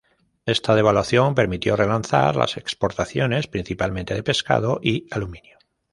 Esta devaluación permitió relanzar las exportaciones, principalmente de pescado y aluminio.